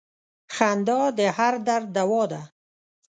• خندا د هر درد دوا ده.